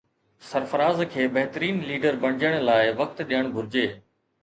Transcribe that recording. سرفراز کي بهترين ليڊر بڻجڻ لاءِ وقت ڏيڻ گهرجي